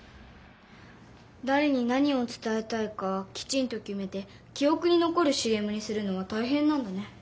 だれに何をつたえたいかきちんと決めて記憶に残るＣＭにするのはたいへんなんだね。